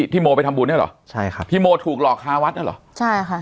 ที่โมถูกหลอกค้าวัดอ่ะหรอ